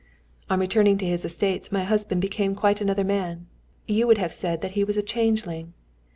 On returning to his estates my husband became quite another man: you would have said that he was a changeling.